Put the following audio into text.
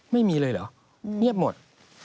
ไม่มีเลยเหรอเงียบหมด